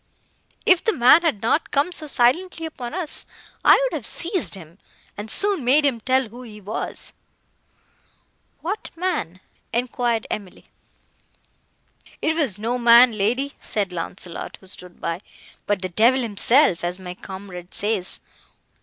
If the man had not come so silently upon us, I would have seized him, and soon made him tell who he was." "What man?" enquired Emily. "It was no man, lady," said Launcelot, who stood by, "but the devil himself, as my comrade says.